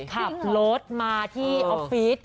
ขับรถมาที่ออฟฟิศ